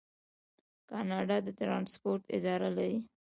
کاناډا د ټرانسپورټ اداره لري.